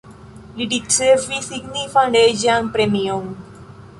Li ricevis signifan reĝan premion.